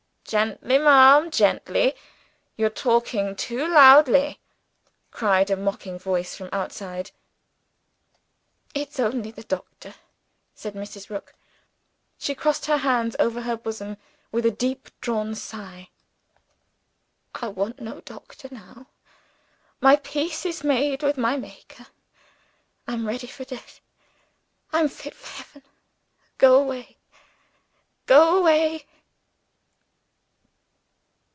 "Gently, ma'am, gently! You're talking too loud," cried a mocking voice from outside. "It's only the doctor," said Mrs. Rook. She crossed her hands over her bosom with a deep drawn sigh. "I want no doctor, now. My peace is made with my Maker. I'm ready for death; I'm fit for Heaven. Go away! go away!"